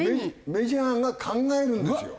メジャーが考えるんですよ。